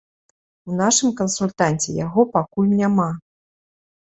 У нашым кансультанце яго пакуль няма.